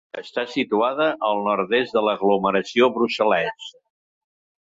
Està situada al nord-est de l'aglomeració brussel·lesa.